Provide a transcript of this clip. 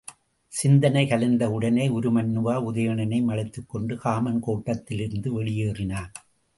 சிந்தனை கலைந்த உடனே உருமண்ணுவா உதயணனையும் அழைத்துக் கொண்டு காமன் கோட்டத்திலிருந்து வெளியேறினான்.